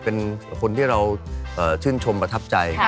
เป็นคนที่เราชื่นชมประทับใจ